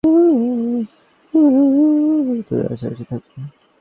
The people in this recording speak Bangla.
পতাকা টা টাঙিয়ে ফেলো আমি তোমাদের আশেপাশেই থাকব, ওকে?